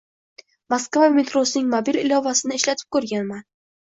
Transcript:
Moskva metrosining mobil ilovasini ishlatib koʻrganman.